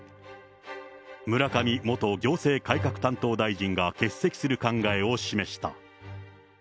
村上元行政改革担当大臣が欠席する考えを示した。